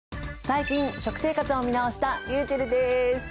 最近食生活を見直したりゅうちぇるです。